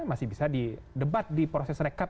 masih bisa didebat di proses rekap